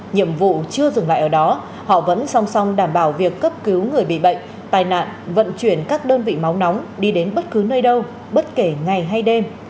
nhiệm vụ chưa dừng lại ở đó họ vẫn song song đảm bảo việc cấp cứu người bị bệnh tai nạn vận chuyển các đơn vị máu nóng đi đến bất cứ nơi đâu bất kể ngày hay đêm